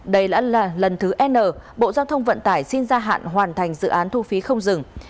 đây đã là lần thứ n bộ giao thông vận tải xin gia hạn hoàn thành dự án thu phí không dừng